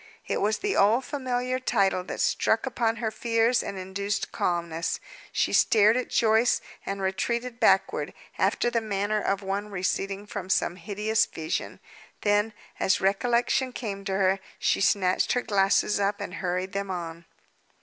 It was the old familiar title that struck upon her fears and induced calmness. She stared at Joyce, and retreated backward, after the manner of one receding from some hideous vision. Then, as recollection came to her, she snatched her glasses up and hurried them on.